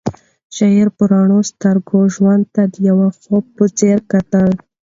شاعر په رڼو سترګو ژوند ته د یو خوب په څېر کتل.